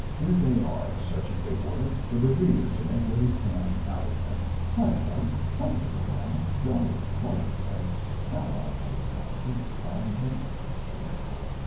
Here they are such as they were for the reader to make what he can out of them. "Heigh ho! comfortable now jolly what a place! How I hate mountains climbing them dreadful!